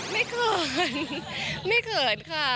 เขินไม่เขินค่ะ